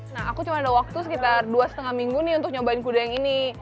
nah aku cuma ada waktu sekitar dua lima minggu nih untuk nyobain kuda yang ini